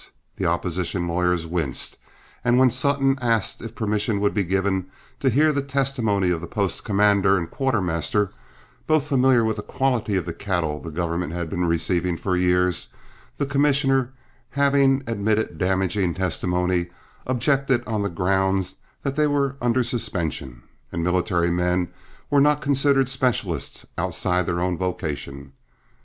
The opposition lawyers winced; and when Sutton asked if permission would be given to hear the testimony of the post commander and quartermaster, both familiar with the quality of cattle the government had been receiving for years, the commissioner, having admitted damaging testimony, objected on the ground that they were under suspension, and military men were not considered specialists outside their own vocation.